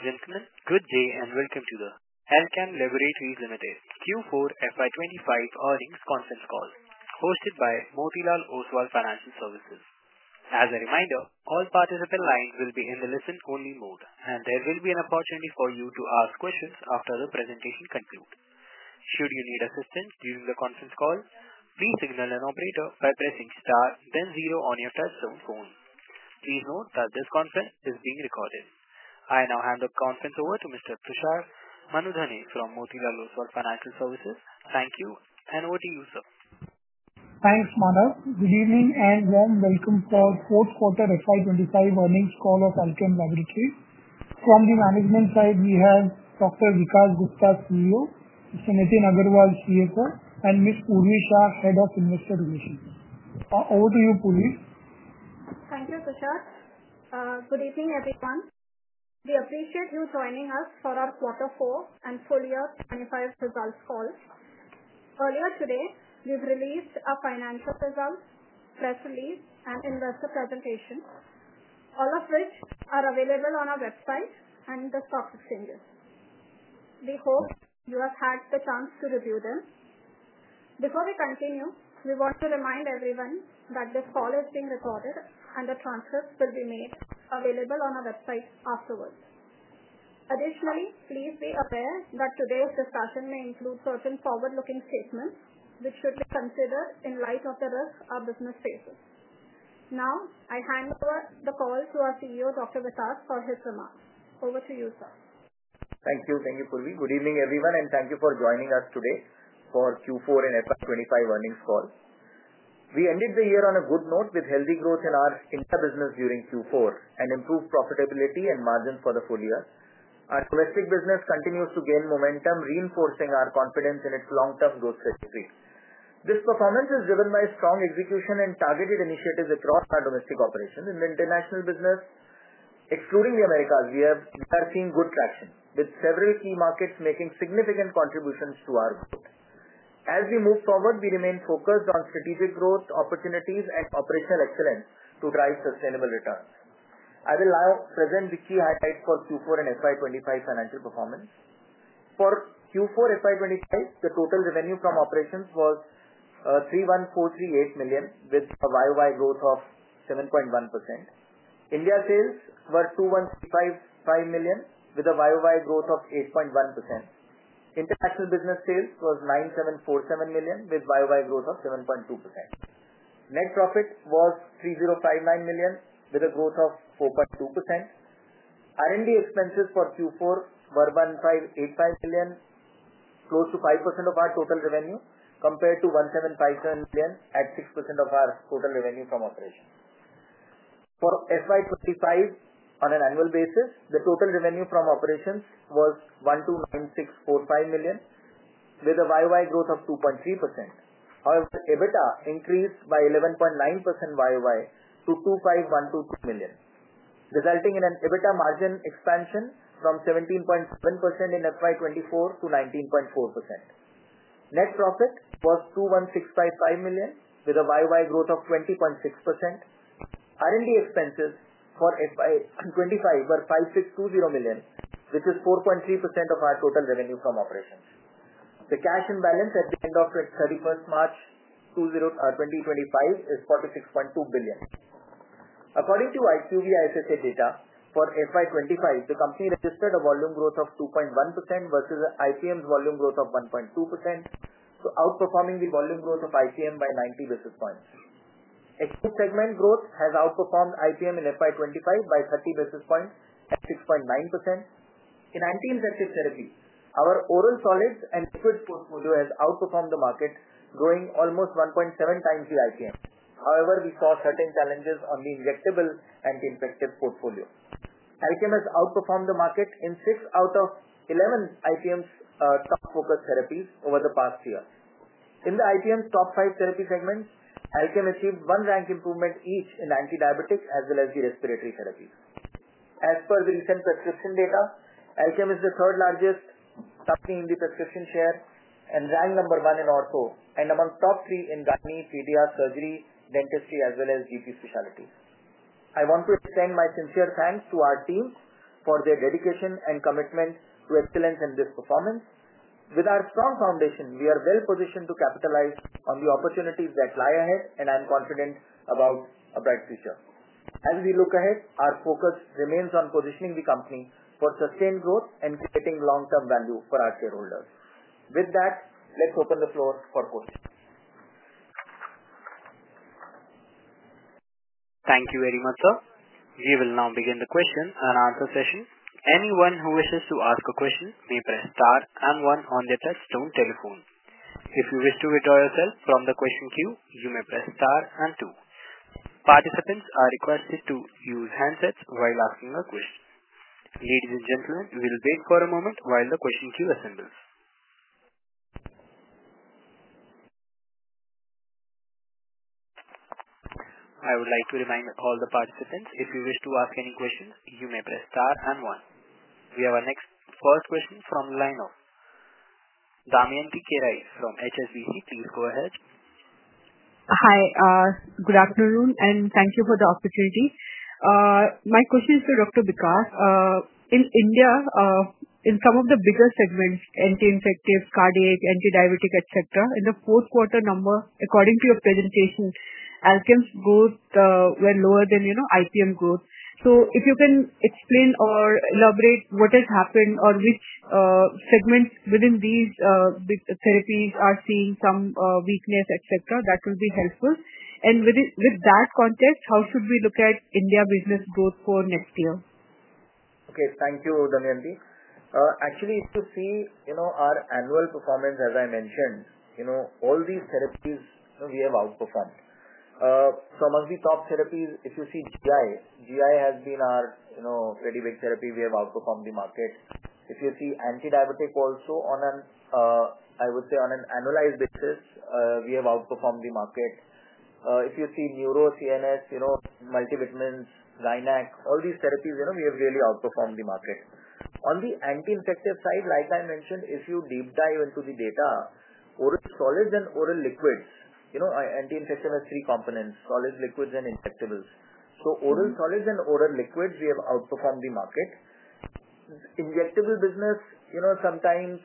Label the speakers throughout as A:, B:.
A: Good afternoon, good day, and welcome to the Alkem Laboratories Ltd Q4 FY25 earnings conference call, hosted by Motilal Oswal Financial Services. As a reminder, all participants' lines will be in the listen-only mode, and there will be an opportunity for you to ask questions after the presentation concludes. Should you need assistance during the conference call, please signal an operator by pressing star, then zero on your touchstone phone. Please note that this conference is being recorded. I now hand the conference over to Mr. Prashab Manudhani from Motilal Oswal Financial Services. Thank you, and over to you, sir.
B: Thanks, Manav. Good evening and warm welcome for the fourth quarter FY25 earnings call of Alkem Laboratories. From the management side, we have Dr. Vikas Gupta, CEO, Mr. Nitin Agarwal, CFO, and Ms. Purvi Shah, Head of Investor Relations. Over to you, Purvi.
C: Thank you, Prashab. Good evening, everyone. We appreciate you joining us for our quarter four and full year 2025 results call. Earlier today, we have released our financial results, press release, and investor presentations, all of which are available on our website and the stock exchanges. We hope you have had the chance to review them. Before we continue, we want to remind everyone that this call is being recorded, and the transcripts will be made available on our website afterwards. Additionally, please be aware that today's discussion may include certain forward-looking statements, which should be considered in light of the risk our business faces. Now, I hand over the call to our CEO, Dr. Vikas Gupta, for his remarks. Over to you, sir.
D: Thank you. Thank you, Purvi. Good evening, everyone, and thank you for joining us today for the Q4 and FY2025 earnings call. We ended the year on a good note with healthy growth in our India business during Q4 and improved profitability and margins for the full year. Our domestic business continues to gain momentum, reinforcing our confidence in its long-term growth trajectory. This performance is driven by strong execution and targeted initiatives across our domestic operations. In the international business, excluding the Americas, we are seeing good traction, with several key markets making significant contributions to our growth. As we move forward, we remain focused on strategic growth opportunities and operational excellence to drive sustainable returns. I will now present the key highlights for Q4 and FY2025 financial performance. For Q4 and FY2025, the total revenue from operations was 31,438 million, with a YOY growth of 7.1%. India sales were 21,355 million, with a YOY growth of 8.1%. International business sales were INR 9,747 million, with a YOY growth of 7.2%. Net profit was 3,059 million, with a growth of 4.2%. R&D expenses for Q4 were 1,585 million, close to 5% of our total revenue, compared to 1,757 million at 6% of our total revenue from operations. For FY25, on an annual basis, the total revenue from operations was 129,645 million, with a YOY growth of 2.3%. However, EBITDA increased by 11.9% YOY to 25,122 million, resulting in an EBITDA margin expansion from 17.7% in FY24 to 19.4%. Net profit was 21,655 million, with a YOY growth of 20.6%. R&D expenses for FY25 were 5,620 million, which is 4.3% of our total revenue from operations. The cash imbalance at the end of 31st March 2025 is 46.2 billion. According to IQVIA SSA data, for FY25, the company registered a volume growth of 2.1% versus IPM's volume growth of 1.2%, outperforming the volume growth of IPM by 90 basis points. Expense segment growth has outperformed IPM in FY25 by 30 basis points at 6.9%. In anti-infective therapies, our oral solids and liquids portfolio has outperformed the market, growing almost 1.7 times the IPM. However, we saw certain challenges on the injectable anti-infective portfolio. Alkem has outperformed the market in 6 out of 11 IPM's top-focused therapies over the past year. In the IPM's top five therapy segments, Alkem achieved one-rank improvement each in anti-diabetic as well as the respiratory therapies. As per the recent prescription data, Alkem is the third-largest company in the prescription share and ranked number one in ortho and amongst top three in gynecology, pediatrics, surgery, dentistry, as well as GP specialties. I want to extend my sincere thanks to our team for their dedication and commitment to excellence in this performance. With our strong foundation, we are well-positioned to capitalize on the opportunities that lie ahead, and I'm confident about a bright future. As we look ahead, our focus remains on positioning the company for sustained growth and creating long-term value for our shareholders. With that, let's open the floor for questions. Thank you very much, sir. We will now begin the question and answer session. Anyone who wishes to ask a question may press star and one on their touchstone telephone. If you wish to withdraw yourself from the question queue, you may press star and two. Participants are requested to use handsets while asking a question. Ladies and gentlemen, we'll wait for a moment while the question queue assembles.
A: I would like to remind all the participants, if you wish to ask any questions, you may press star and one. We have our next first question from the line of Damyanti Kerai from HSBC. Please go ahead.
E: Hi, good afternoon, and thank you for the opportunity. My question is to Dr. Vikas. In India, in some of the bigger segments, anti-infective, cardiac, anti-diabetic, etc., in the fourth quarter number, according to your presentation, Alkem's growth was lower than IPM growth. If you can explain or elaborate what has happened or which segments within these big therapies are seeing some weakness, etc., that will be helpful. With that context, how should we look at India business growth for next year?
D: Okay, thank you, Damyanti. Actually, if you see our annual performance, as I mentioned, all these therapies we have outperformed. Some of the top therapies, if you see GI, GI has been our pretty big therapy. We have outperformed the market. If you see anti-diabetic also, I would say on an annualized basis, we have outperformed the market. If you see neuro, CNS, multivitamins, Gynac, all these therapies, we have really outperformed the market. On the anti-infective side, like I mentioned, if you deep dive into the data, oral solids and oral liquids, anti-infective has three components: solids, liquids, and injectables. So oral solids and oral liquids, we have outperformed the market. Injectable business, sometimes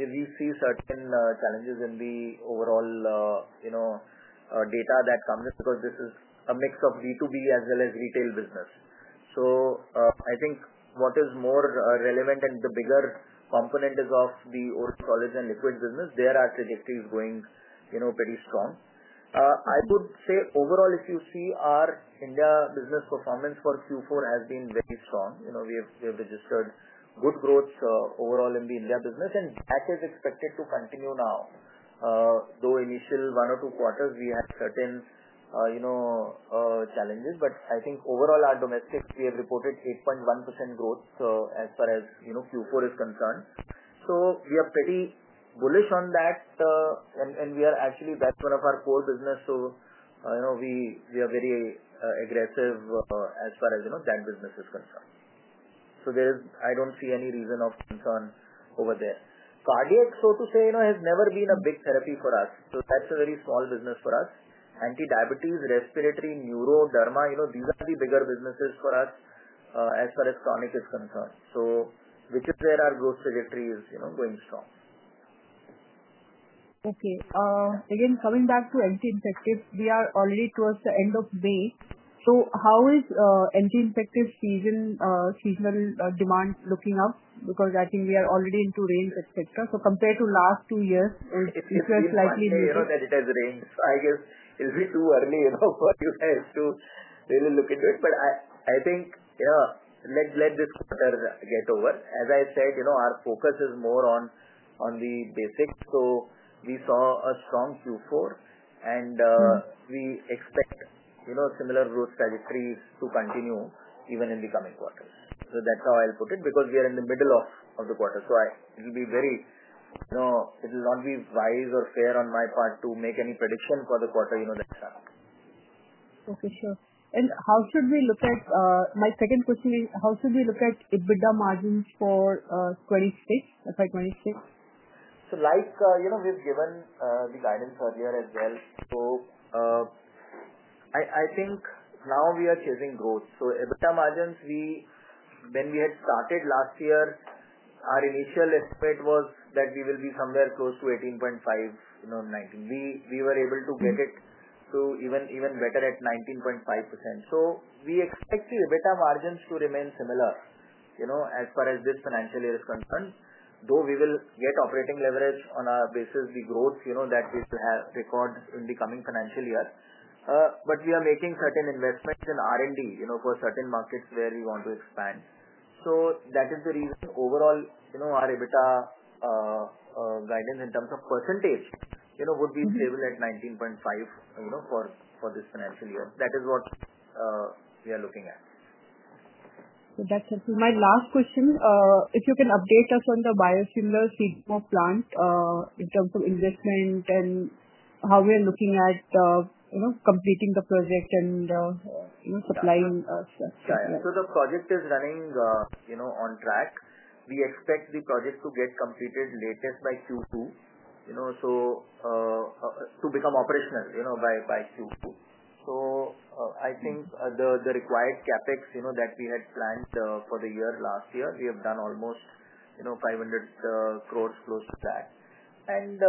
D: we see certain challenges in the overall data that comes in because this is a mix of B2B as well as retail business. I think what is more relevant and the bigger component is of the oral solids and liquids business. Their trajectories are going pretty strong. I would say overall, if you see our India business performance for Q4, it has been very strong. We have registered good growth overall in the India business, and that is expected to continue now. Though initial one or two quarters, we had certain challenges, but I think overall our domestics, we have reported 8.1% growth as far as Q4 is concerned. We are pretty bullish on that, and we are actually, that's one of our core businesses, so we are very aggressive as far as that business is concerned. I do not see any reason of concern over there. Cardiac, so to say, has never been a big therapy for us, so that is a very small business for us. Anti-diabetes, respiratory, neuro, derma, these are the bigger businesses for us as far as chronic is concerned, which is where our growth trajectory is going strong.
E: Okay. Again, coming back to anti-infective, we are already towards the end of May. How is anti-infective seasonal demand looking up? I think we are already into rains, etc. Compared to the last two years, it was slightly different.
D: I'm sure that it has rains. I guess it'll be too early for you guys to really look into it, but I think let this quarter get over. As I said, our focus is more on the basics. We saw a strong Q4, and we expect similar growth trajectories to continue even in the coming quarters. That's how I'll put it because we are in the middle of the quarter. It will not be wise or fair on my part to make any prediction for the quarter that comes.
E: Okay, sure. How should we look at—my second question is, how should we look at EBITDA margins for FY26?
D: Like we've given the guidance earlier as well, I think now we are chasing growth. EBITDA margins, when we had started last year, our initial estimate was that we will be somewhere close to 18.5%. We were able to get it to even better at 19.5%. We expect the EBITDA margins to remain similar as far as this financial year is concerned, though we will get operating leverage on a basis, the growth that we will have recorded in the coming financial year. We are making certain investments in R&D for certain markets where we want to expand. That is the reason overall our EBITDA guidance in terms of percentage would be stable at 19.5% for this financial year. That is what we are looking at.
E: That's it. My last question, if you can update us on the biosimilar seed plants in terms of investment and how we are looking at completing the project and supplying us.
D: The project is running on track. We expect the project to get completed latest by Q2, to become operational by Q2. I think the required CapEx that we had planned for the year last year, we have done almost 500 crore, close to that. I think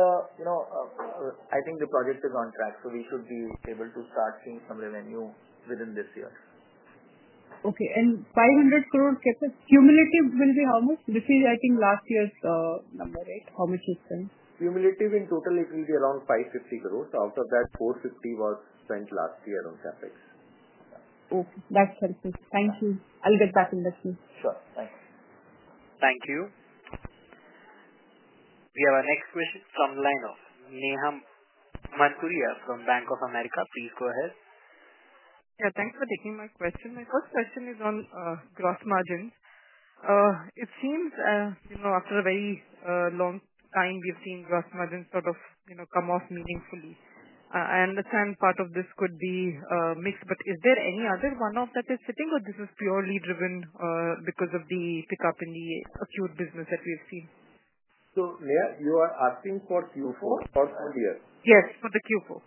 D: the project is on track, so we should be able to start seeing some revenue within this year.
E: Okay. 500 crore cumulative will be how much? This is, I think, last year's number, right? How much is spent?
D: Cumulative in total, it will be around 550 crore. Out of that, 450 crore was spent last year on CapEx.
E: Okay. That's helpful. Thank you. I'll get back in touch with you.
D: Sure. Thanks.
A: Thank you. We have our next question from the line of Neha Manpuriya from Bank of America. Please go ahead.
F: Yeah. Thanks for taking my question. My first question is on gross margins. It seems after a very long time, we have seen gross margins sort of come off meaningfully. I understand part of this could be mix, but is there any other one-off that is sitting, or this is purely driven because of the pickup in the acute business that we have seen?
D: So Neha, you are asking for Q4 or for the year?
F: Yes, for the Q4.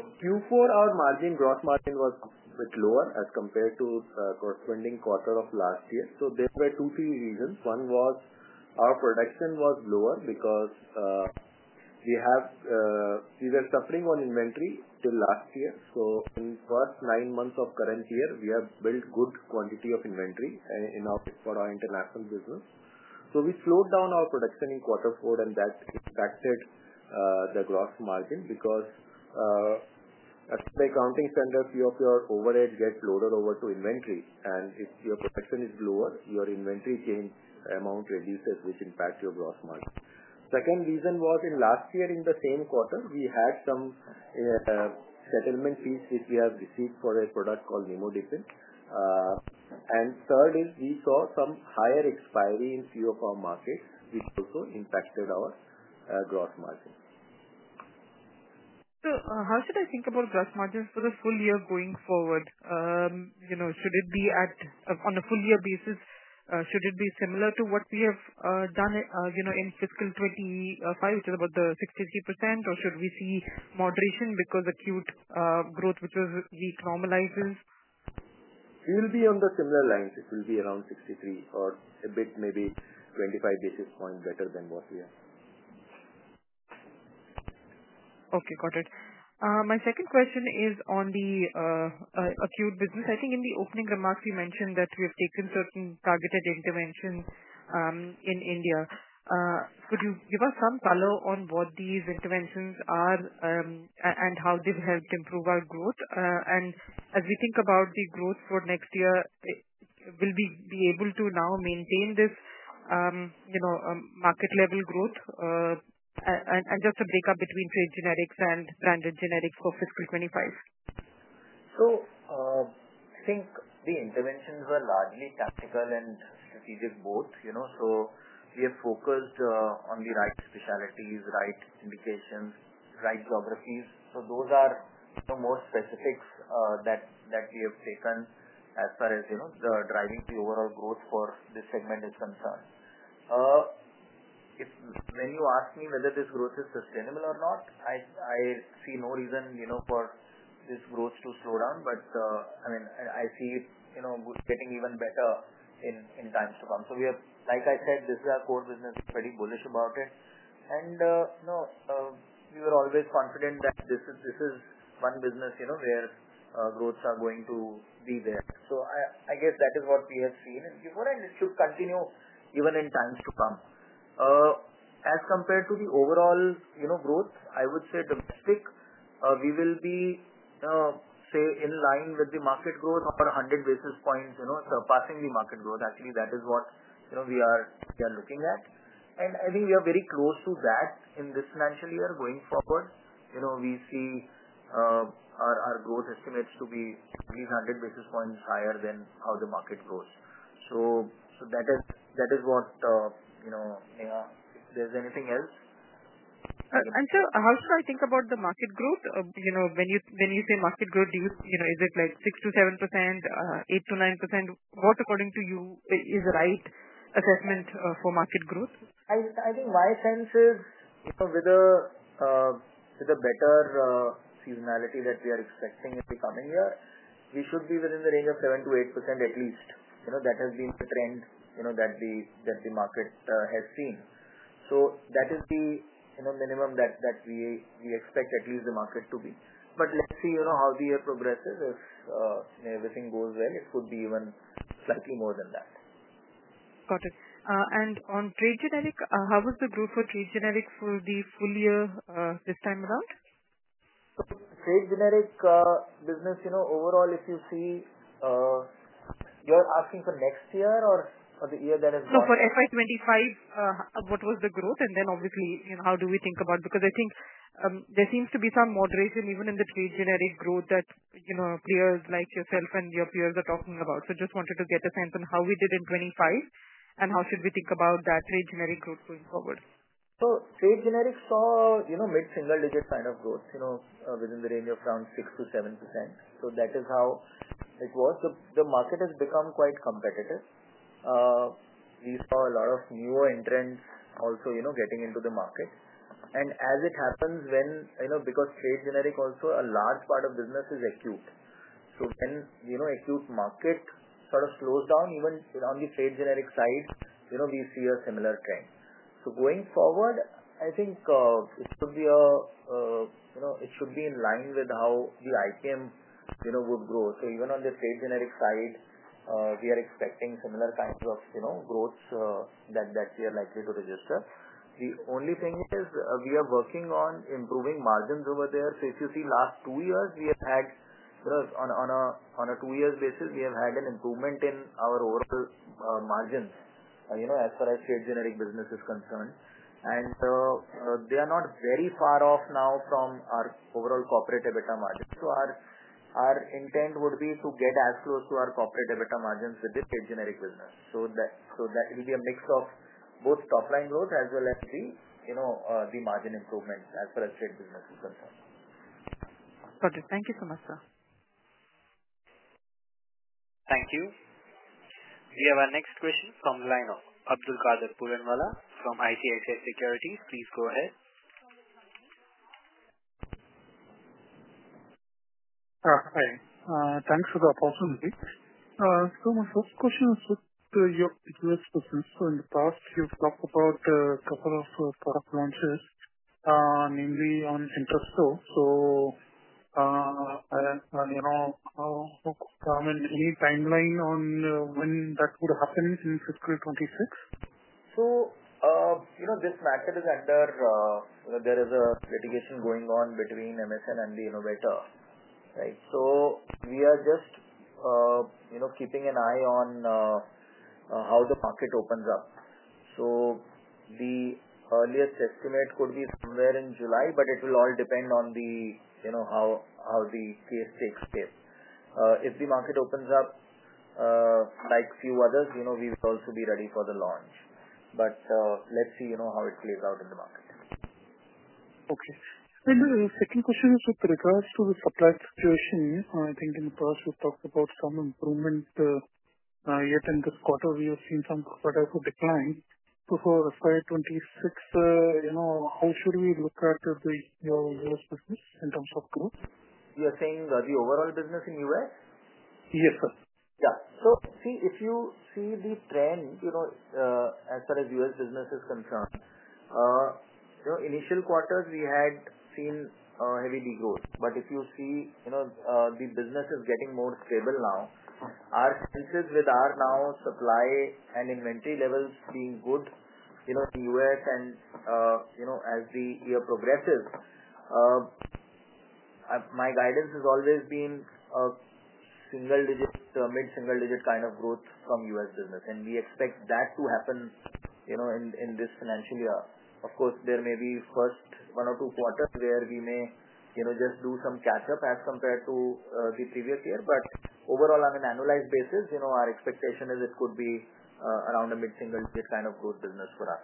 D: Q4, our margin, gross margin was a bit lower as compared to the corresponding quarter of last year. There were two, three reasons. One was our production was lower because we were suffering on inventory till last year. In the first nine months of the current year, we have built good quantity of inventory for our international business. We slowed down our production in quarter four, and that impacted the gross margin because by counting centers, few of your overhead gets loaded over to inventory. If your production is lower, your inventory change amount reduces, which impacts your gross margin. Second reason was in last year, in the same quarter, we had some settlement fees, which we have received for a product called Nimodipine. Third is we saw some higher expiry in few of our markets, which also impacted our gross margin.
F: How should I think about gross margins for the full year going forward? Should it be on a full-year basis? Should it be similar to what we have done in fiscal 2025, which is about the 63%, or should we see moderation because acute growth, which is weak, normalizes?
D: It will be on the similar lines. It will be around 63 or a bit, maybe 25 basis points better than what we have.
F: Okay. Got it. My second question is on the acute business. I think in the opening remarks, you mentioned that we have taken certain targeted interventions in India. Could you give us some color on what these interventions are and how they've helped improve our growth? As we think about the growth for next year, will we be able to now maintain this market-level growth and just a breakup between trade generics and branded generics for fiscal 2025?
D: I think the interventions were largely tactical and strategic both. We have focused on the right specialties, right indications, right geographies. Those are the most specifics that we have taken as far as driving the overall growth for this segment is concerned. When you ask me whether this growth is sustainable or not, I see no reason for this growth to slow down, I mean, I see it getting even better in times to come. Like I said, this is our core business. We're pretty bullish about it. We were always confident that this is one business where growths are going to be there. I guess that is what we have seen, and it should continue even in times to come. As compared to the overall growth, I would say domestic, we will be, say, in line with the market growth or 100 basis points surpassing the market growth. Actually, that is what we are looking at. I think we are very close to that in this financial year going forward. We see our growth estimates to be at least 100 basis points higher than how the market grows. That is what Neha—if there is anything else.
F: Sir, how should I think about the market growth? When you say market growth, is it like 6-7%, 8-9%? What, according to you, is the right assessment for market growth?
D: I think my sense is with a better seasonality that we are expecting in the coming year, we should be within the range of 7-8% at least. That has been the trend that the market has seen. That is the minimum that we expect at least the market to be. Let's see how the year progresses. If everything goes well, it could be even slightly more than that.
F: Got it. On trade generic, how was the growth for trade generic for the full year this time around?
D: Trade generic business, overall, if you see—you're asking for next year or for the year that has gone?
F: For FY2025, what was the growth? Obviously, how do we think about it? I think there seems to be some moderation even in the trade generic growth that peers like yourself and your peers are talking about. I just wanted to get a sense on how we did in 2025 and how should we think about that trade generic growth going forward?
D: Trade generic saw mid-single-digit kind of growth within the range of around 6-7%. That is how it was. The market has become quite competitive. We saw a lot of newer entrants also getting into the market. As it happens, because trade generic also, a large part of business is acute. When the acute market sort of slows down, even on the trade generic side, we see a similar trend. Going forward, I think it should be in line with how the IPM would grow. Even on the trade generic side, we are expecting similar kinds of growths that we are likely to register. The only thing is we are working on improving margins over there. If you see the last two years, we have had, on a two-year basis, an improvement in our overall margins as far as the trade generic business is concerned. They are not very far off now from our overall corporate EBITDA margins. Our intent would be to get as close to our corporate EBITDA margins with the trade generic business. That will be a mix of both top-line growth as well as margin improvement as far as the trade business is concerned.
F: Got it. Thank you so much, sir.
A: Thank you. We have our next question from the line of Abdul Puranwala from ICICI Securities. Please go ahead.
G: Hi. Thanks for the opportunity. My first question is with your business. In the past, you've talked about a couple of product launches, namely on Syntrastor. I mean, any timeline on when that would happen in fiscal 2026?
D: This matter is under—there is a litigation going on between MSN and the innovator, right? We are just keeping an eye on how the market opens up. The earliest estimate could be somewhere in July, but it will all depend on how the case takes shape. If the market opens up like a few others, we will also be ready for the launch. Let's see how it plays out in the market.
G: Okay. The second question is with regards to the supply situation. I think in the past, we have talked about some improvement. Yet in this quarter, we have seen some quarter of a decline. For FY2026, how should we look at your US business in terms of growth?
D: You're saying the overall business in the US?
G: Yes, sir.
D: Yeah. So see, if you see the trend as far as U.S. business is concerned, initial quarters, we had seen heavy degrowth. If you see, the business is getting more stable now, our sense is with our now supply and inventory levels being good in the U.S. and as the year progresses, my guidance has always been a mid-single-digit kind of growth from U.S. business. We expect that to happen in this financial year. Of course, there may be first one or two quarters where we may just do some catch-up as compared to the previous year. Overall, on an annualized basis, our expectation is it could be around a mid-single-digit kind of growth business for us.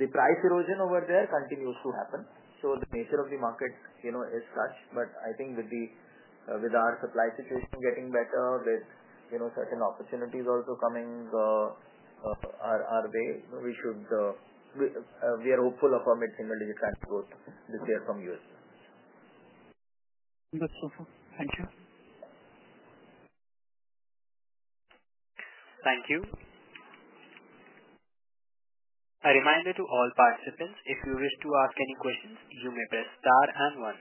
D: The price erosion over there continues to happen. The nature of the market is such. I think with our supply situation getting better, with certain opportunities also coming our way, we are hopeful of a mid-single-digit kind of growth this year from US.
G: That's awesome. Thank you.
A: Thank you. A reminder to all participants, if you wish to ask any questions, you may press star and one.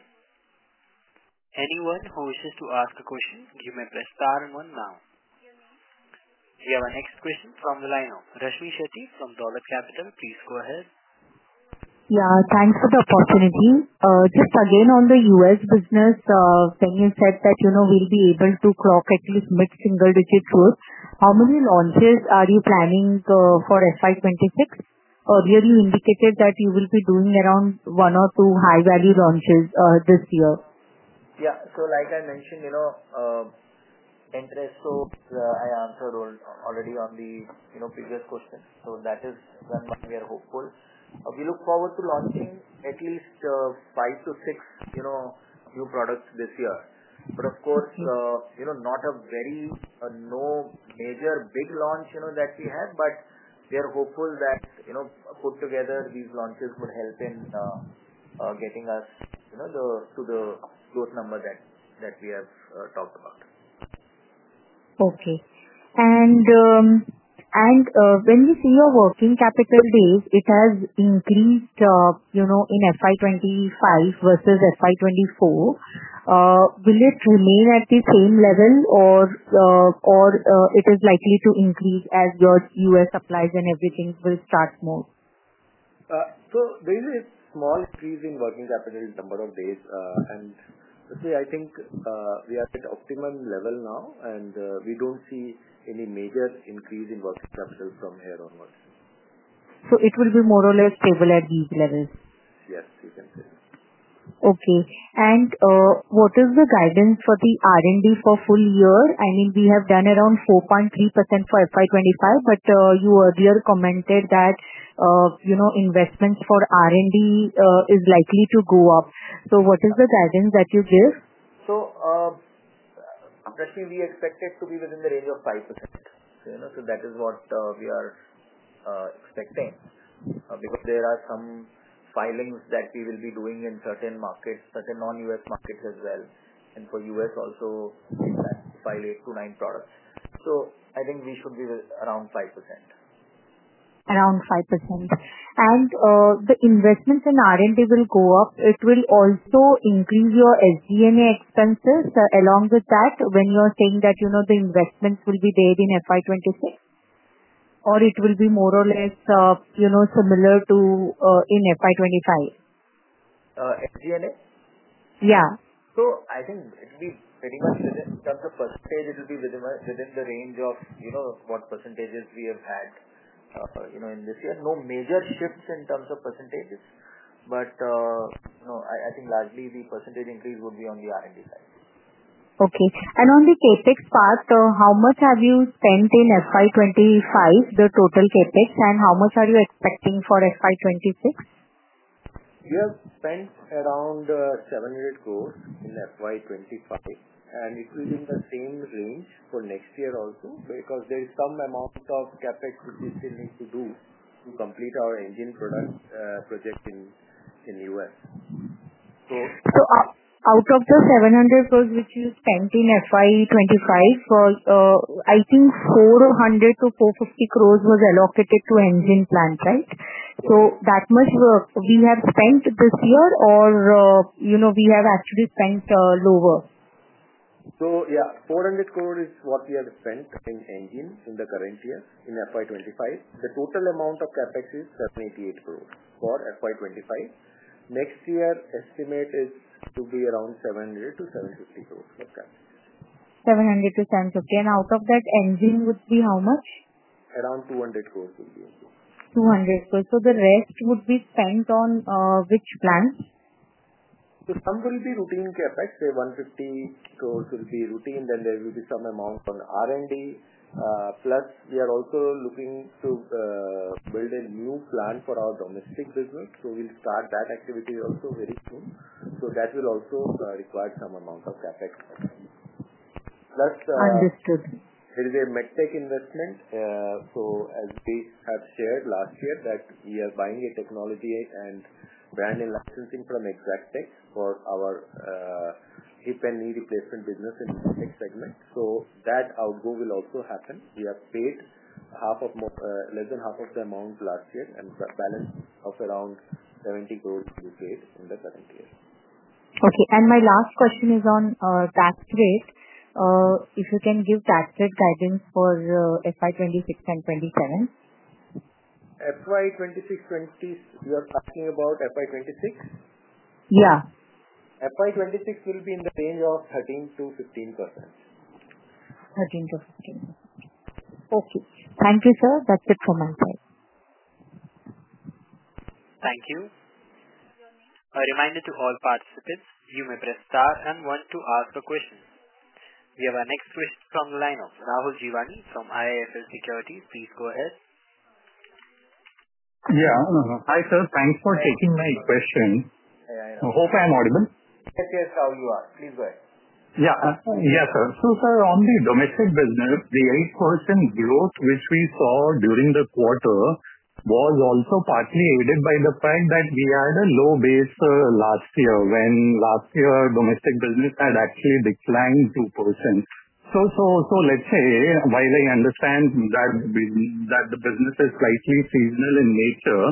A: Anyone who wishes to ask a question, you may press star and one now. We have our next question from the line of Rashmi Shetty from Dollar Capital. Please go ahead.
H: Yeah. Thanks for the opportunity. Just again on the US business, when you said that we'll be able to clock at least mid-single-digit growth, how many launches are you planning for FY26? Earlier, you indicated that you will be doing around one or two high-value launches this year.
D: Yeah. Like I mentioned, Syntrastor, I answered already on the previous question. That is one we are hopeful. We look forward to launching at least five to six new products this year. Of course, not a very major big launch that we have, but we are hopeful that put together, these launches would help in getting us to the growth number that we have talked about.
H: Okay. When we see your working capital days, it has increased in FY2025 versus FY2024. Will it remain at the same level, or is it likely to increase as your US supplies and everything will start more?
D: There is a small increase in working capital number of days. I think we are at optimum level now, and we do not see any major increase in working capital from here onwards.
H: So it will be more or less stable at these levels?
D: Yes, you can say.
H: Okay. What is the guidance for the R&D for full year? I mean, we have done around 4.3% for FY25, but you earlier commented that investments for R&D is likely to go up. What is the guidance that you give?
D: Rashmi, we expect it to be within the range of 5%. That is what we are expecting because there are some filings that we will be doing in certain markets, certain non-US markets as well. For US also, we plan to file eight to nine products. I think we should be around 5%.
H: Around 5%. The investments in R&D will go up. It will also increase your SG&A expenses along with that when you're saying that the investments will be there in FY26? Or it will be more or less similar to in FY25?
D: SG&A?
H: Yeah.
D: I think it will be pretty much in terms of %, it will be within the range of what % we have had in this year. No major shifts in terms of %. I think largely the % increase would be on the R&D side.
H: Okay. On the CapEx part, how much have you spent in FY25, the total CapEx, and how much are you expecting for FY26?
D: We have spent around INR 700 crore in FY25. It will be in the same range for next year also because there is some amount of CapEx which we still need to do to complete our engine project in the U.S.
H: Out of the INR 700 crore which you spent in FY25, I think 400-450 crore was allocated to engine plants, right? That much work you have spent this year, or you have actually spent lower?
D: Yeah, 400 crores is what we have spent in Engine in the current year in FY 2025. The total amount of CapEx is 788 crores for FY 2025. Next year's estimate is to be around 700-750 crores for CapEx.
H: 700-750. And out of that, engine would be how much?
D: Around 200 crore will be in total.
H: 200 crore. So the rest would be spent on which plants?
D: Some will be routine CapEx. Say 150 crore will be routine, then there will be some amount on R&D. Plus, we are also looking to build a new plant for our domestic business. We will start that activity also very soon. That will also require some amount of CapEx.
H: Understood.
D: There is a medtech investment. As we have shared last year, we are buying a technology and brand and licensing from Exactech for our hip and knee replacement business in the medtech segment. That outgo will also happen. We have paid less than half of the amount last year, and the balance of around 70 crore rupees will be paid in the current year.
H: Okay. My last question is on tax rate. If you can give tax rate guidance for FY 2026 and 2027.
D: FY26, 2027, you're talking about FY26?
H: Yeah.
D: FY26 will be in the range of 13-15%.
H: 13%-15%. Okay. Thank you, sir. That's it from my side.
A: Thank you. A reminder to all participants, you may press star and one to ask a question. We have our next question from the line of Rahul Jeewani from IIFL Securities. Please go ahead.
I: Yeah. Hi, sir. Thanks for taking my question. Hope I am audible.
D: Yes, yes. How are you? Please go ahead.
I: Yeah. Yes, sir. So sir, on the domestic business, the 8% growth which we saw during the quarter was also partly aided by the fact that we had a low base last year when last year domestic business had actually declined 2%. Let's say, while I understand that the business is slightly seasonal in nature,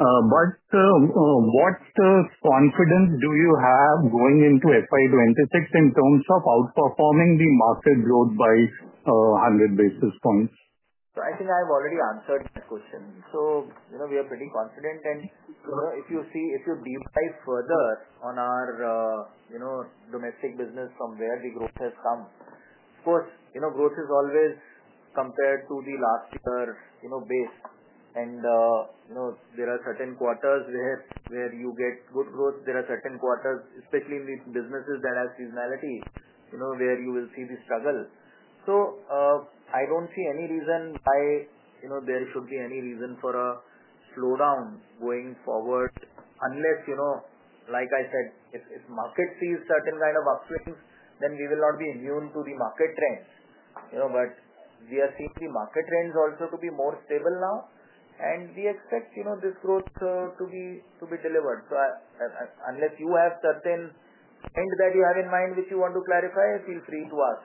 I: what confidence do you have going into FY26 in terms of outperforming the market growth by 100 basis points?
D: I think I've already answered that question. We are pretty confident. If you see, if you deep dive further on our domestic business from where the growth has come, of course, growth is always compared to the last year base. There are certain quarters where you get good growth. There are certain quarters, especially in the businesses that have seasonality, where you will see the struggle. I do not see any reason why there should be any reason for a slowdown going forward unless, like I said, if market sees certain kind of upswings, then we will not be immune to the market trends. We are seeing the market trends also to be more stable now. We expect this growth to be delivered. Unless you have certain trend that you have in mind which you want to clarify, feel free to ask.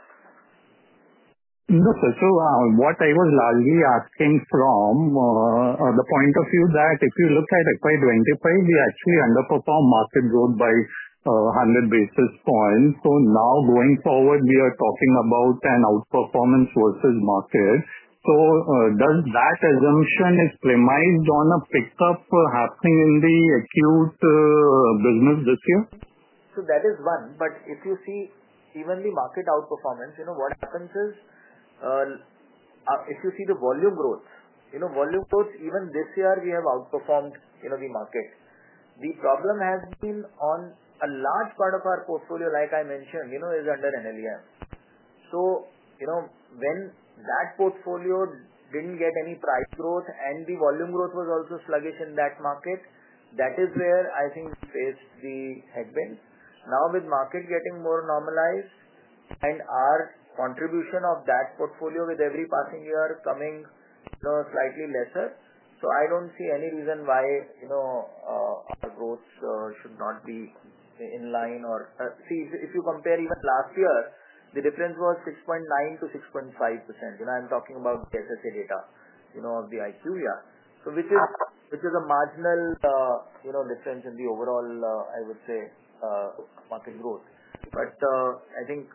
I: No, sir. So what I was largely asking from the point of view that if you look at FY2025, we actually underperformed market growth by 100 basis points. Now going forward, we are talking about an outperformance versus market. Does that assumption is premised on a pickup happening in the acute business this year?
D: That is one. If you see even the market outperformance, what happens is if you see the volume growth, volume growth, even this year we have outperformed the market. The problem has been on a large part of our portfolio, like I mentioned, is under NLEM. When that portfolio did not get any price growth and the volume growth was also sluggish in that market, that is where I think we faced the headwinds. Now with market getting more normalized and our contribution of that portfolio with every passing year coming slightly lesser, I do not see any reason why our growth should not be in line or, see, if you compare even last year, the difference was 6.9% to 6.5%. I am talking about the SSA data of the IQVIA, which is a marginal difference in the overall, I would say, market growth. I think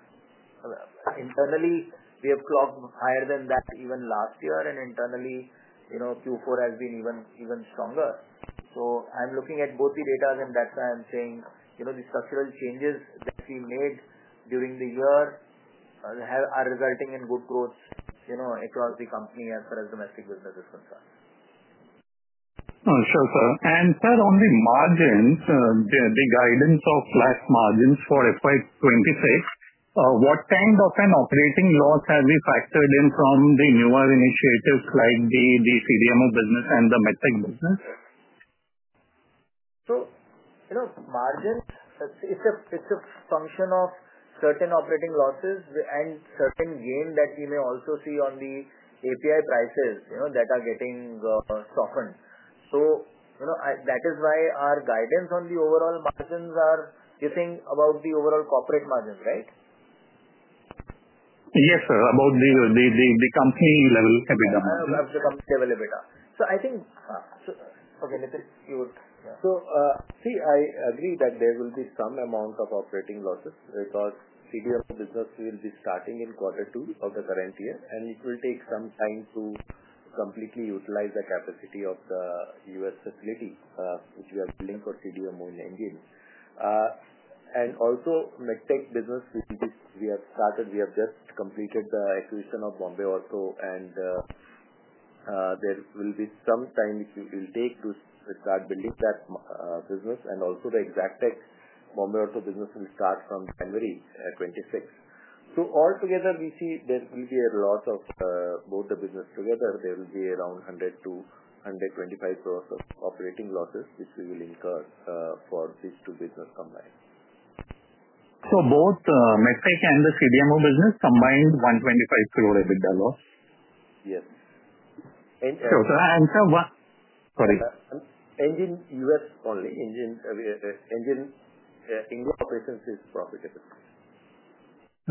D: internally, we have clocked higher than that even last year. Internally, Q4 has been even stronger. I am looking at both the data, and that is why I am saying the structural changes that we made during the year are resulting in good growth across the company as far as domestic business is concerned.
I: Sure, sir. Sir, on the margins, the guidance of flat margins for FY2026, what kind of an operating loss have we factored in from the newer initiatives like the CDMO business and the medtech business?
D: Margins, it's a function of certain operating losses and certain gain that we may also see on the API prices that are getting softened. That is why our guidance on the overall margins are you think about the overall corporate margins, right?
I: Yes, sir. About the company level EBITDA.
D: About the company level EBITDA. I think, okay, Nitin, you would, yeah. I agree that there will be some amount of operating losses because CDMO business will be starting in quarter two of the current year. It will take some time to completely utilize the capacity of the US facility which we are building for CDMO in Engine. Also, medtech business, we have started. We have just completed the acquisition of Bombay Ortho. There will be some time it will take to start building that business. Also, the Exactech Bombay Ortho business will start from January 2026. Altogether, we see there will be a lot of both the business together, there will be around 100-125 crore of operating losses which we will incur for these two business combined.
I: Both medtech and the CDMO business combined INR 125 crore EBITDA loss?
D: Yes. Sure. I answered. Sorry. Engine US only. Engine Indo operations is profitable.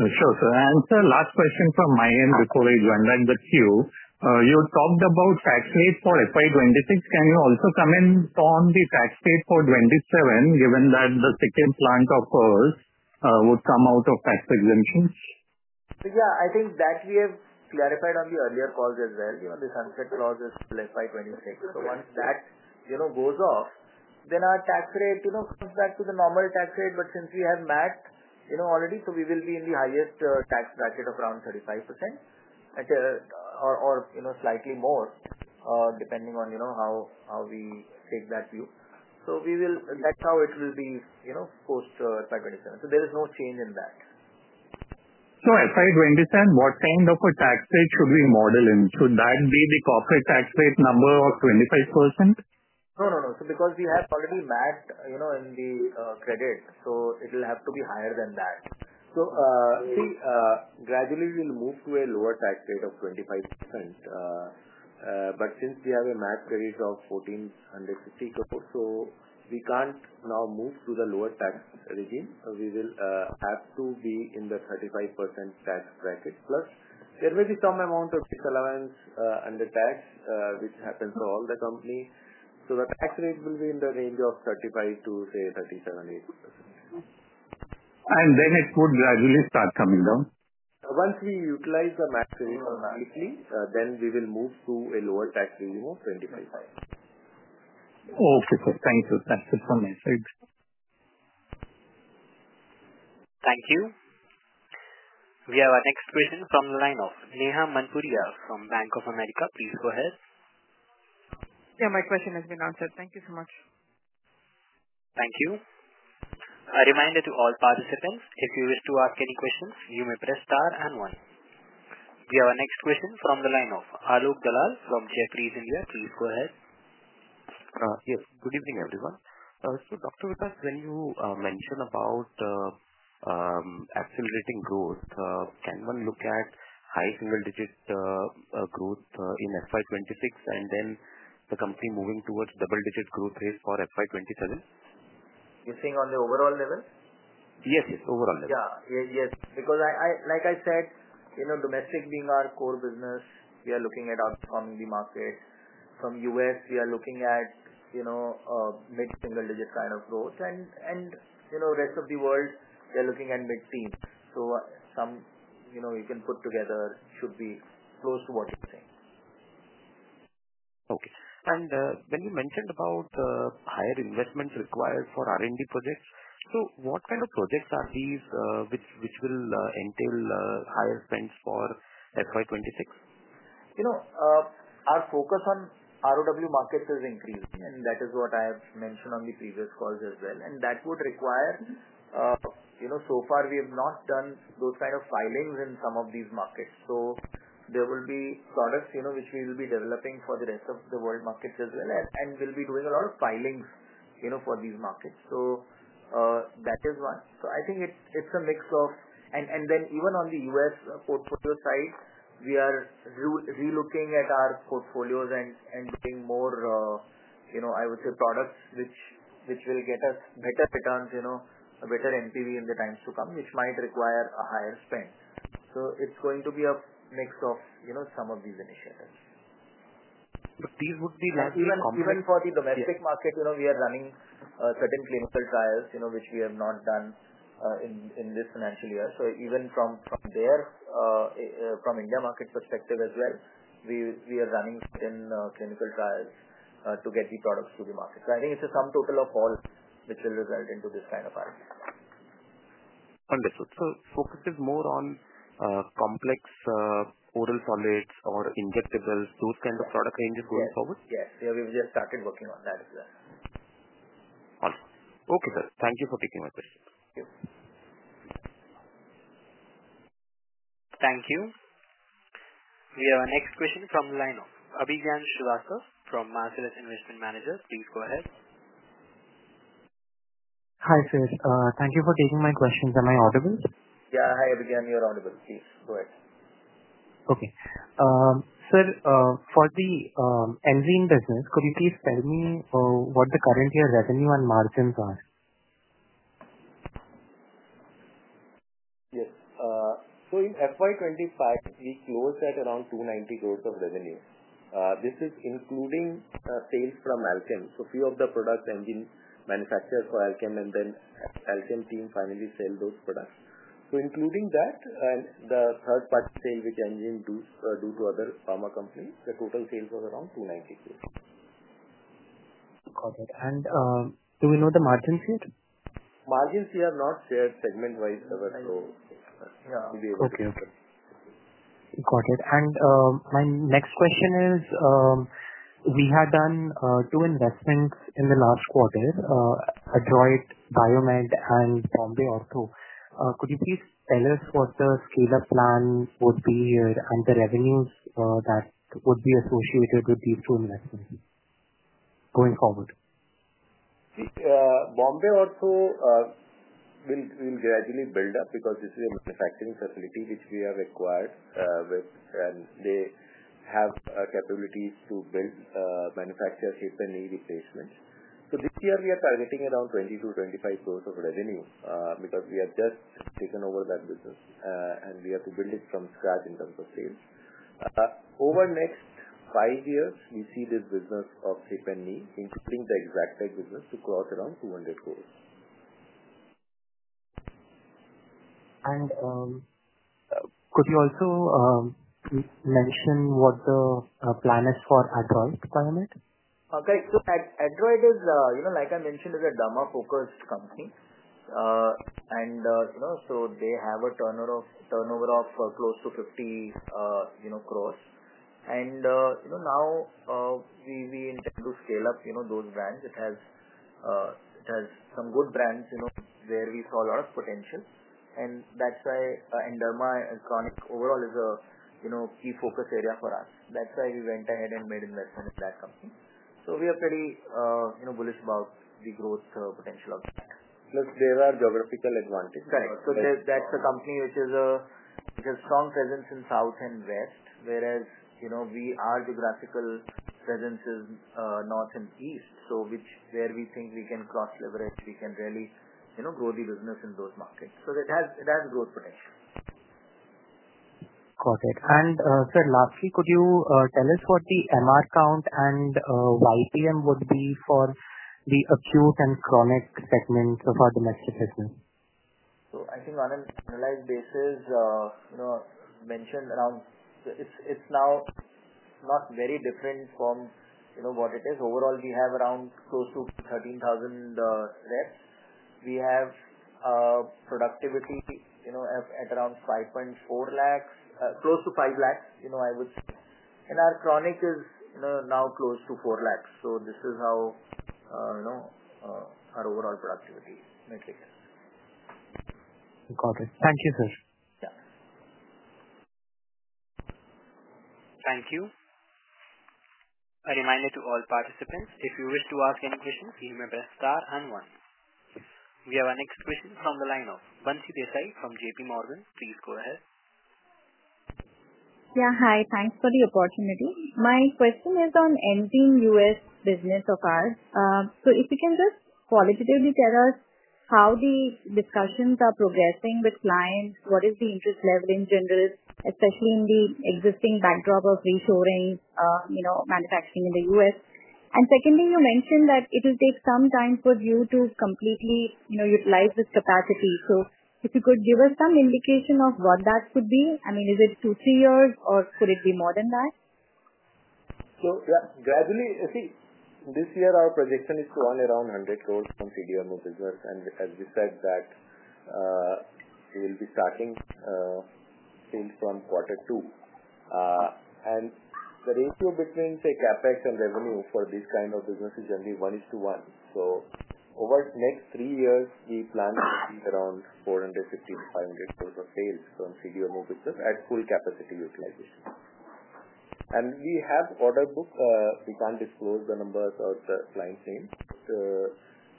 I: Sure. I answered last question from my end before I joined the queue. You talked about tax rate for FY2026. Can you also comment on the tax rate for 2027, given that the second plant of ours would come out of tax exemptions?
D: Yeah, I think that we have clarified on the earlier calls as well. The sunset clause is till FY 2026. Once that goes off, then our tax rate comes back to the normal tax rate. Since we have mapped already, we will be in the highest tax bracket of around 35% or slightly more, depending on how we take that view. That is how it will be post FY 2027. There is no change in that.
I: FY27, what kind of a tax rate should we model in? Should that be the corporate tax rate number of 25%?
D: No, no, no. Because we have already mapped in the credit, it will have to be higher than that. See, gradually we will move to a lower tax rate of 25%. But since we have a mapped credit of 1,450 crore, we cannot now move to the lower tax regime. We will have to be in the 35% tax bracket. Plus, there may be some amount of disallowance under tax which happens to all the company. The tax rate will be in the range of 35%-37.8%.
I: It would gradually start coming down?
D: Once we utilize the mapped credit more nicely, then we will move to a lower tax regime of 25%.
I: Okay, sir. Thank you. That's it from my side.
A: Thank you. We have our next question from the line of Neha Manpuriya from Bank of America. Please go ahead.
F: Yeah, my question has been answered. Thank you so much.
A: Thank you. A reminder to all participants, if you wish to ask any questions, you may press star and one. We have our next question from the line of Alok Dalal from Jefferies India. Please go ahead.
J: Yes. Good evening, everyone. Dr. Vikas, when you mention about accelerating growth, can one look at high single-digit growth in FY 2026 and then the company moving towards double-digit growth rate for FY 2027?
D: You think on the overall level?
J: Yes, yes. Overall level.
D: Yeah. Yes. Because like I said, domestic being our core business, we are looking at outperforming the market. From US, we are looking at mid-single-digit kind of growth. And rest of the world, they are looking at mid-teens. You can put together, should be close to what you think.
J: Okay. When you mentioned about higher investments required for R&D projects, what kind of projects are these which will entail higher spends for FY26?
D: Our focus on ROW markets is increasing, and that is what I have mentioned on the previous calls as well. That would require, so far, we have not done those kind of filings in some of these markets. There will be products which we will be developing for the rest of the world markets as well. We will be doing a lot of filings for these markets. That is one. I think it is a mix of, and then even on the US portfolio side, we are relooking at our portfolios and doing more, I would say, products which will get us better returns, a better NPV in the times to come, which might require a higher spend. It is going to be a mix of some of these initiatives.
J: These would be largely complex.
D: Even for the domestic market, we are running certain clinical trials which we have not done in this financial year. Even from there, from India market perspective as well, we are running certain clinical trials to get the products to the market. I think it's a sum total of all which will result into this kind of R&D.
J: Wonderful. So focus is more on complex oral solids or injectables, those kinds of product ranges going forward?
D: Yes. Yeah. We've just started working on that as well.
J: Awesome. Okay, sir. Thank you for taking my question.
D: Thank you.
A: Thank you. We have our next question from the line of Abhijan Shivasa from Marcellus Investment Managers. Please go ahead.
K: Hi, sir. Thank you for taking my questions. Am I audible?
D: Yeah. Hi, Abhijan. You're audible. Please go ahead.
K: Okay. Sir, for the engine business, could you please tell me what the current year revenue and margins are?
D: Yes. In FY2025, we closed at around 290 crore of revenue. This is including sales from Alchem. A few of the products engine manufactures for Alchem, and then the Alchem team finally sells those products. Including that and the third-party sale which engine do to other pharma companies, the total sales was around 290 crore.
K: Got it. Do we know the margins yet?
D: Margins we have not shared segment-wise ever, so we'll be able to.
K: Okay. Okay. Got it. My next question is, we had done two investments in the last quarter, Adroit Biomed and Bombay Ortho. Could you please tell us what the scale-up plan would be here and the revenues that would be associated with these two investments going forward?
D: See, Bombay Ortho will gradually build up because this is a manufacturing facility which we have acquired, and they have capabilities to build, manufacture hip and knee replacements. This year, we are targeting around 20-25 crore of revenue because we have just taken over that business, and we have to build it from scratch in terms of sales. Over the next five years, we see this business of hip and knee, including the Exactech business, to cross around INR 200 crore.
K: Could you also mention what the plan is for Adroit Biomed?
D: Okay. So Adroit is, like I mentioned, is a derma-focused company. And so they have a turnover of close to 50 crore. And now we intend to scale up those brands. It has some good brands where we saw a lot of potential. That is why derma and chronic overall is a key focus area for us. That is why we went ahead and made investment in that company. We are pretty bullish about the growth potential of that. Plus, there are geographical advantages.
K: Correct.
D: That's a company which has a strong presence in South and West, whereas our geographical presence is North and East, where we think we can cross-leverage, we can really grow the business in those markets. It has growth potential.
K: Got it. And sir, lastly, could you tell us what the MR count and YPM would be for the acute and chronic segments of our domestic business?
D: I think on an analyzed basis, I mentioned around it's now not very different from what it is. Overall, we have around close to 13,000 reps. We have productivity at around INR 540,000, close to 500,000, I would say. And our chronic is now close to 400,000. This is how our overall productivity matrix is.
K: Got it. Thank you, sir.
D: Yeah.
A: Thank you. A reminder to all participants, if you wish to ask any questions, you may press star and one. We have our next question from the line of Bansi Desai from JPMorgan. Please go ahead.
L: Yeah. Hi. Thanks for the opportunity. My question is on engine US business of ours. If you can just qualitatively tell us how the discussions are progressing with clients, what is the interest level in general, especially in the existing backdrop of reshoring, manufacturing in the US. Secondly, you mentioned that it will take some time for you to completely utilize this capacity. If you could give us some indication of what that could be. I mean, is it two, three years, or could it be more than that?
D: Yeah, gradually. See, this year, our projection is to run around 100 crore from CDMO business. As we said, we will be starting sales from quarter two. The ratio between, say, CapEx and revenue for these kinds of businesses is generally 1:1. Over the next three years, we plan to be around 450-500 crore of sales from CDMO business at full capacity utilization. We have order booked. We can't disclose the numbers or the client's name.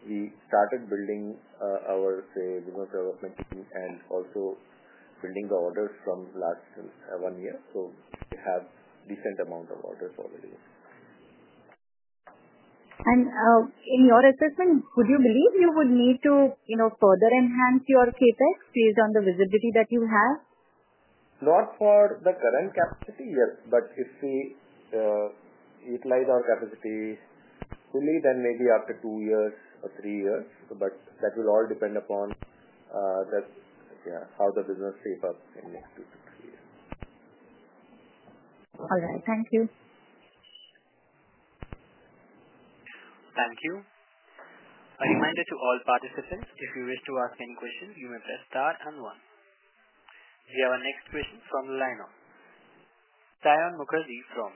D: We started building our, say, business development team and also building the orders from last one year. We have a decent amount of orders already.
L: In your assessment, would you believe you would need to further enhance your CapEx based on the visibility that you have?
D: Not for the current capacity, yes. If we utilize our capacity fully, then maybe after two years or three years. That will all depend upon how the business shapes up in the next two to three years.
L: All right. Thank you.
A: Thank you. A reminder to all participants, if you wish to ask any questions, you may press star and one. We have our next question from the line of Dayan Mukherjee from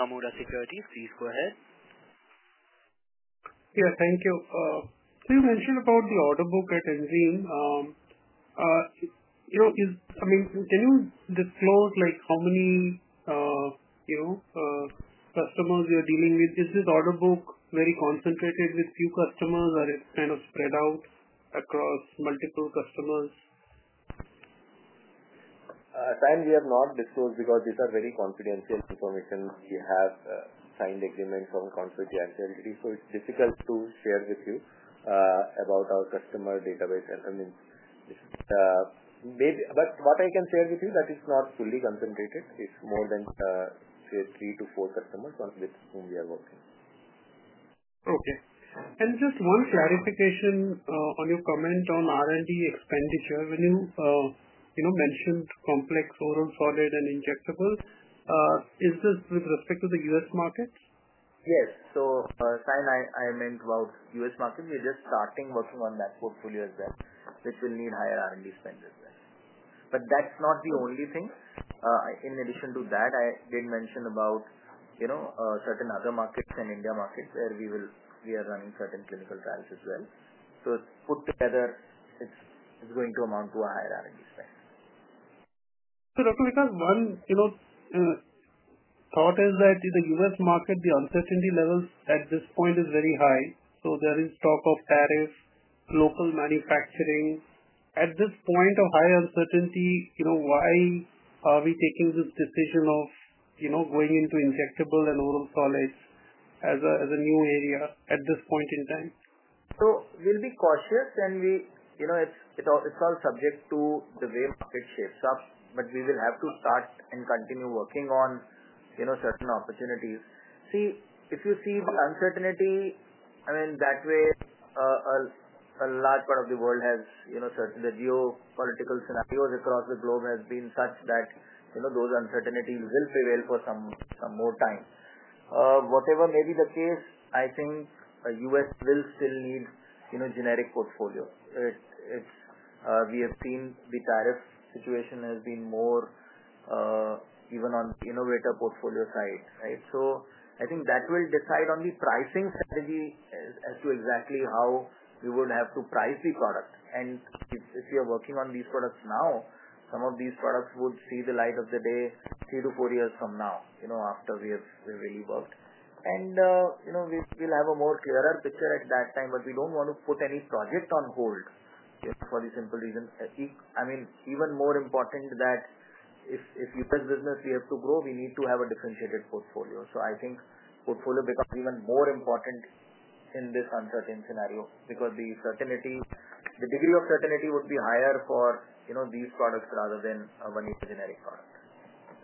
A: Nomura Securities. Please go ahead.
M: Yeah. Thank you. You mentioned about the order book at Engine. I mean, can you disclose how many customers you're dealing with? Is this order book very concentrated with few customers, or it's kind of spread out across multiple customers?
D: Sir, we have not disclosed because these are very confidential information. We have signed agreements on confidentiality. It is difficult to share with you about our customer database. I mean, what I can share with you is that it is not fully concentrated. It is more than, say, three to four customers with whom we are working.
M: Okay. Just one clarification on your comment on R&D expenditure. When you mentioned complex oral solid and injectable, is this with respect to the U.S. markets?
D: Yes. Sir, I meant about US markets. We're just starting working on that portfolio as well, which will need higher R&D spend as well. That is not the only thing. In addition to that, I did mention about certain other markets and India markets where we are running certain clinical trials as well. Put together, it's going to amount to a higher R&D spend.
M: Dr. Vikas, one thought is that in the US market, the uncertainty level at this point is very high. There is talk of tariffs, local manufacturing. At this point of high uncertainty, why are we taking this decision of going into injectable and oral solids as a new area at this point in time?
D: We'll be cautious, and it is all subject to the way the market shapes up. We will have to start and continue working on certain opportunities. See, if you see the uncertainty, I mean, that way, a large part of the world has certain geopolitical scenarios across the globe has been such that those uncertainties will prevail for some more time. Whatever may be the case, I think the US will still need a generic portfolio. We have seen the tariff situation has been more even on the innovator portfolio side, right? I think that will decide on the pricing strategy as to exactly how we would have to price the product. If we are working on these products now, some of these products would see the light of the day three to four years from now after we have really worked. We will have a more clearer picture at that time. We do not want to put any project on hold for the simple reason. I mean, even more important that if US business we have to grow, we need to have a differentiated portfolio. I think portfolio becomes even more important in this uncertain scenario because the degree of certainty would be higher for these products rather than when we have generic products.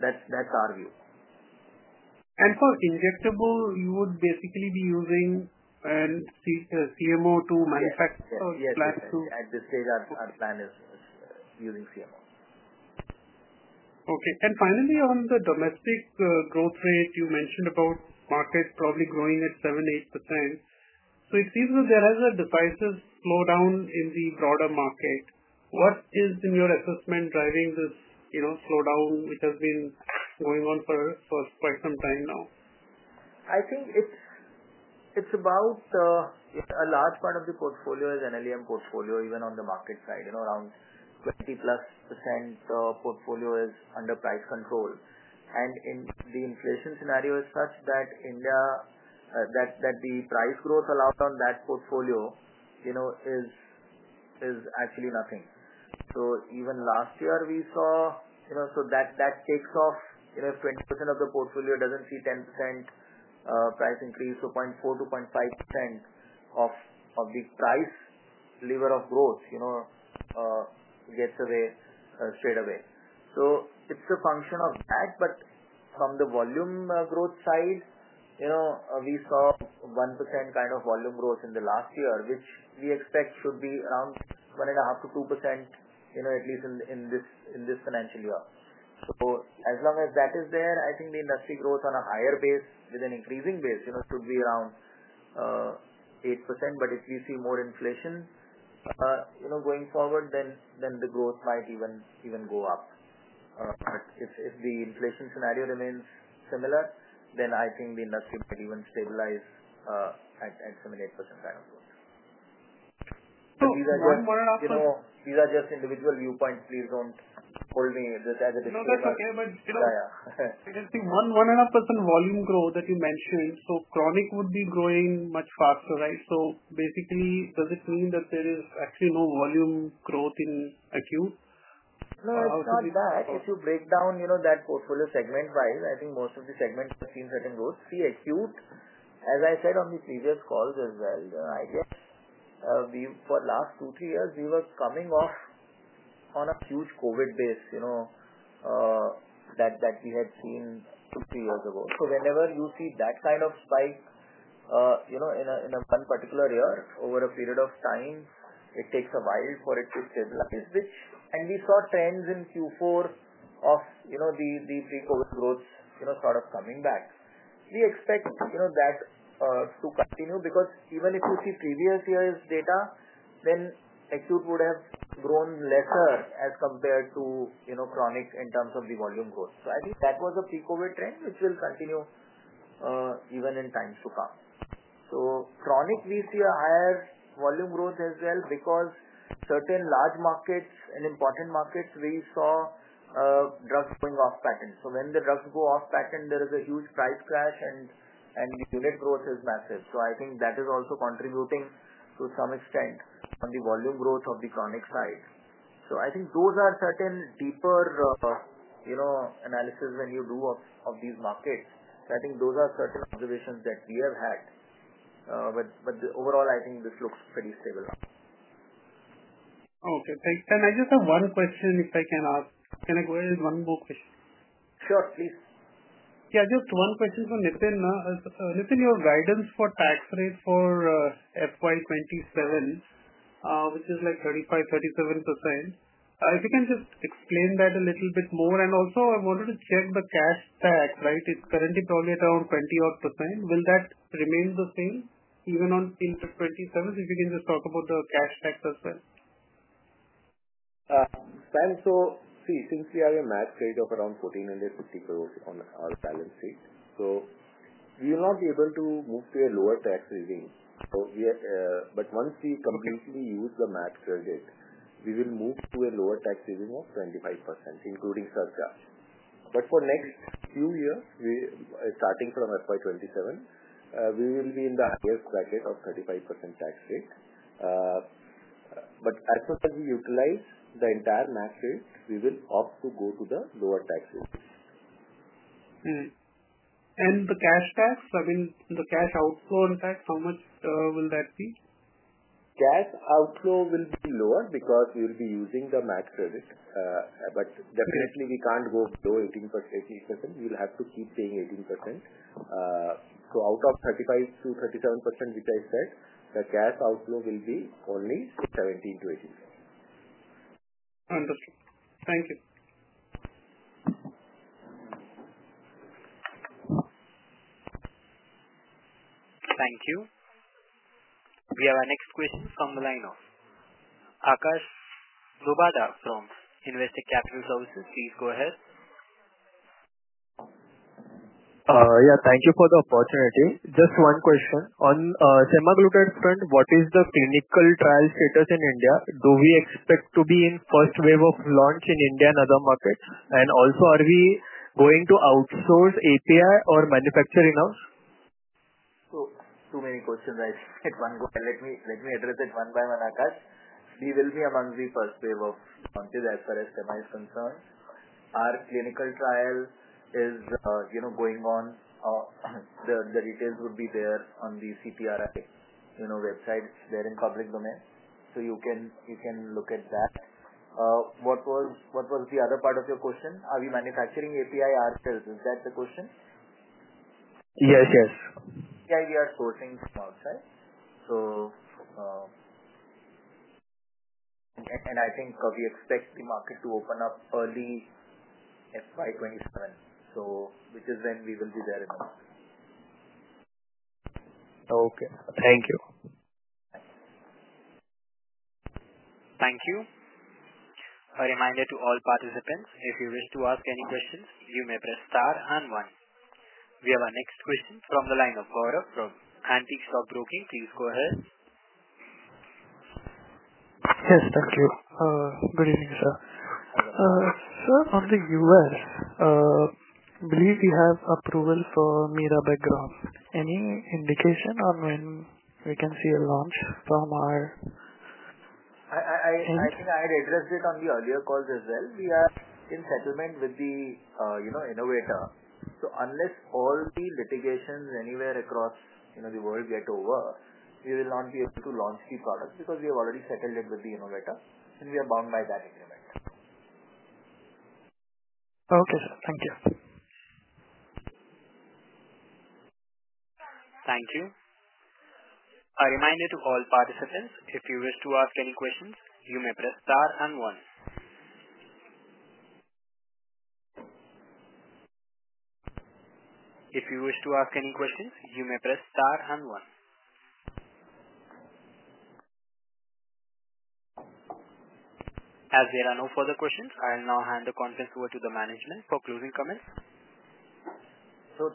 D: That is our view.
M: For injectable, you would basically be using CMO to manufacture or flat to?
D: Yes. At this stage, our plan is using CMO.
M: Okay. Finally, on the domestic growth rate, you mentioned about market probably growing at 7-8%. It seems that there has a decisive slowdown in the broader market. What is, in your assessment, driving this slowdown which has been going on for quite some time now?
D: I think it's about a large part of the portfolio is NLEM portfolio, even on the market side. Around 20% plus portfolio is under price control. And the inflation scenario is such that India, that the price growth allowed on that portfolio is actually nothing. So even last year, we saw so that takes off. If 20% of the portfolio doesn't see 10% price increase, 0.4-0.5% of the price lever of growth gets away straight away. It's a function of that. From the volume growth side, we saw 1% kind of volume growth in the last year, which we expect should be around 1.5-2% at least in this financial year. As long as that is there, I think the industry growth on a higher base, with an increasing base, should be around 8%. If we see more inflation going forward, then the growth might even go up. If the inflation scenario remains similar, then I think the industry might even stabilize at 7-8% kind of growth.
M: One and a half %.
D: These are just individual viewpoints. Please don't hold me to this as a decision.
M: No, that's okay. I can see 1.5% volume growth that you mentioned. Kronik would be growing much faster, right? Basically, does it mean that there is actually no volume growth in acute?
D: No, it's not that. If you break down that portfolio segment-wise, I think most of the segments have seen certain growth. See, acute, as I said on the previous calls as well, I guess for the last two, three years, we were coming off on a huge COVID base that we had seen two to three years ago. Whenever you see that kind of spike in one particular year over a period of time, it takes a while for it to stabilize. We saw trends in Q4 of the pre-COVID growth sort of coming back. We expect that to continue because even if you see previous year's data, then acute would have grown lesser as compared to chronic in terms of the volume growth. I think that was a pre-COVID trend which will continue even in times to come. Kronik, we see a higher volume growth as well because certain large markets and important markets, we saw drugs going off patent. When the drugs go off patent, there is a huge price crash, and the unit growth is massive. I think that is also contributing to some extent on the volume growth of the Kronik side. I think those are certain deeper analysis when you do of these markets. I think those are certain observations that we have had. Overall, I think this looks pretty stable now.
M: Okay. Thanks. I just have one question, if I can ask. Can I go ahead with one more question?
D: Sure. Please.
M: Yeah. Just one question for Nitin. Nitin, your guidance for tax rate for FY 2027, which is like 35%-37%, if you can just explain that a little bit more. Also, I wanted to check the cash tax, right? It is currently probably at around 20-odd %. Will that remain the same even until 2027 if you can just talk about the cash tax as well?
D: Sir, so see, since we have a MAT credit of around 1,450 crore on our balance sheet, so we will not be able to move to a lower tax saving. But once we completely use the MAT credit, we will move to a lower tax saving of 25%, including surcharge. But for next few years, starting from FY 2027, we will be in the highest bracket of 35% tax rate. But as soon as we utilize the entire MAT credit, we will opt to go to the lower tax rate.
M: The cash tax, I mean, the cash outflow on tax, how much will that be?
D: Cash outflow will be lower because we will be using the max credit. Definitely, we can't go below 18%. We will have to keep paying 18%. Out of 35%-37%, which I said, the cash outflow will be only 17%-18%.
M: Understood. Thank you.
A: Thank you. We have our next question from the line of Akash Zubada from Investec Capital Sources. Please go ahead.
N: Yeah. Thank you for the opportunity. Just one question. On semaglutide front, what is the clinical trial status in India? Do we expect to be in first wave of launch in India and other markets? Also, are we going to outsource API or manufacture in-house?
D: Too many questions, right, at one go. Let me address it one by one, Akash. We will be among the first wave of launch as far as SMI is concerned. Our clinical trial is going on. The details would be there on the CTRI website. It is there in public domain. You can look at that. What was the other part of your question? Are we manufacturing API ourselves? Is that the question?
N: Yes, yes.
D: API, we are sourcing from outside. I think we expect the market to open up early FY 2027, which is when we will be there in the market.
N: Okay. Thank you.
D: Thanks.
A: Thank you. A reminder to all participants, if you wish to ask any questions, you may press star and one. We have our next question from the line of Bharav from Antique Stock Broking. Please go ahead.
O: Yes. Thank you. Good evening, sir. Sir, on the U.S., I believe we have approval for Mirabegron. Any indication on when we can see a launch from our?
D: I think I had addressed it on the earlier calls as well. We are in settlement with the innovator. Unless all the litigations anywhere across the world get over, we will not be able to launch the product because we have already settled it with the innovator, and we are bound by that agreement.
O: Okay, sir. Thank you.
A: Thank you. A reminder to all participants, if you wish to ask any questions, you may press star and one. As there are no further questions, I'll now hand the conference over to the management for closing comments.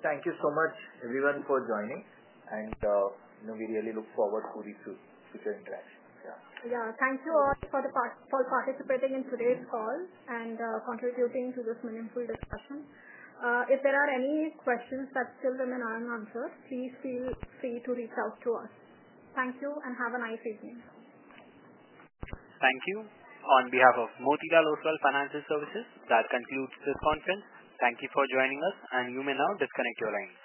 D: Thank you so much, everyone, for joining. We really look forward to this future interaction.
C: Yeah. Thank you all for participating in today's call and contributing to this meaningful discussion. If there are any questions that still remain unanswered, please feel free to reach out to us. Thank you and have a nice evening.
A: Thank you. On behalf of Motilal Oswal Financial Services, that concludes this conference. Thank you for joining us, and you may now disconnect your line.